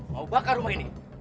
mau bakar rumah ini